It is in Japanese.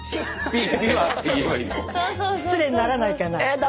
失礼にならないかな？